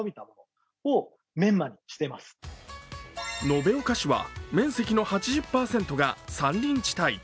延岡市は面積の８０％が山林地帯。